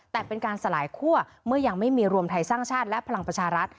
แต่เป็นการสลายคั่วเมื่อยังไม่มีรวมไทยสร้างชาติและพลังประชารัฐ